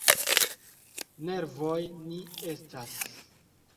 Nervoj ni estas.